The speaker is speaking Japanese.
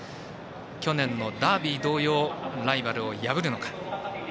去年のダービー同様ライバルを破るのか。